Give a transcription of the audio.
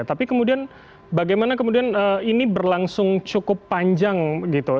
tapi kemudian bagaimana kemudian ini berlangsung cukup panjang gitu